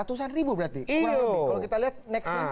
kalau kita lihat next slide coba